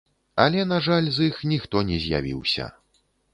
Але на жаль, з іх ніхто не з'явіўся.